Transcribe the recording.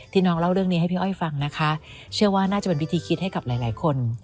น้องเล่าเรื่องนี้ให้พี่อ้อยฟังนะคะเชื่อว่าน่าจะเป็นวิธีคิดให้กับหลายหลายคน